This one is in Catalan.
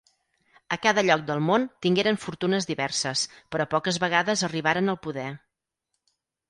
A cada lloc del món tingueren fortunes diverses, però poques vegades arribaren al poder.